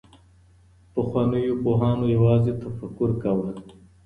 پخوانيو پوهانو يوازي تفکر کاوه.